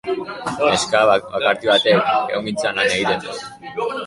Neska bakarti batek ehungintzan lan egiten du.